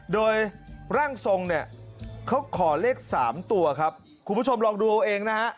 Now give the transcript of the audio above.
โดยร่างทรงเนี่ยเขาขอเลขสามตัวครับคุณผู้ชมลองดูเอาเองนะฮะ